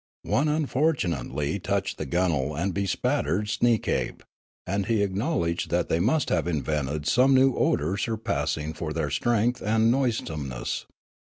One unfortunately touched the gunnel and bespattered Sneekape ; and he acknow ledged that they must have invented some new odours surpassing for their strength and noisomeness.